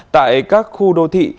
tại các khu đô thị